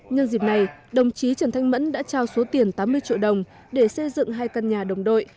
nhân dịp này đồng chí trần thanh mẫn đã trao số tiền tám mươi triệu đồng để xây dựng hai căn nhà đồng đội